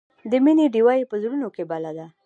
د مینې ډیوه یې په زړونو کې بله ده.